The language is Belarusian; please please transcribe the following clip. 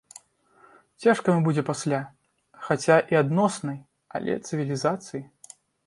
Цяжка яму будзе пасля, хаця і адноснай, але цывілізацыі.